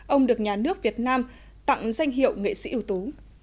ông được nhà nước việt nam tặng danh hiệu nghệ sĩ ưu tú